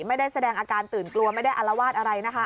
ไม่ได้แสดงอาการตื่นกลัวไม่ได้อารวาสอะไรนะคะ